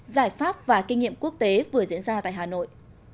giải pháp và kinh nghiệm quốc tế vừa diễn ra tại hà nội